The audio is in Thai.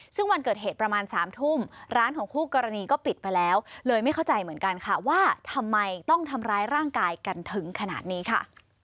ซึ่งวันเกิดเหตุประมาณ๓ทุ่มร้านของคู่กรณีก็ปิดไปแล้วเลยไม่เข้าใจเหมือนกันค่ะว่าทำไมต้องทำร้ายร่างกายกันถึงขนาดนี้ค่ะ